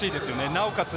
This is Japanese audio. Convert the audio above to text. なおかつ